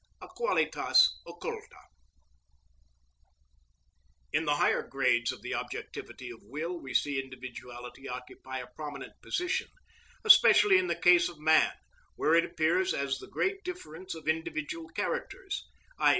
_, a qualitas occulta. In the higher grades of the objectivity of will we see individuality occupy a prominent position, especially in the case of man, where it appears as the great difference of individual characters, _i.